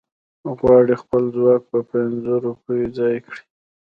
غواړي خپل ځواک په پنځو روپو ځای کړي.